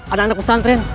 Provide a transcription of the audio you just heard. ada anak pesantren